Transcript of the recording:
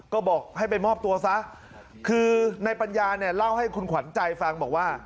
ก็บอกให้ไปมอบตัวซะคือในปัญญาเนี่ยเล่าให้คุณขวัญใจฟังบอกว่า